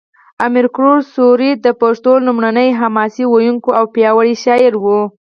امیر کروړ سوري د پښتو لومړنی حماسه ویونکی او پیاوړی شاعر و